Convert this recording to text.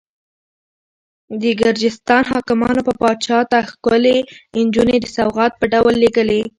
د ګرجستان حاکمانو به پاچا ته ښکلې نجونې د سوغات په ډول لېږلې.